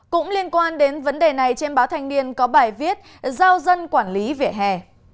cũng liên quan đến vấn đề này trên báo thanh niên có bài viết giao dân quản lý vỉa hè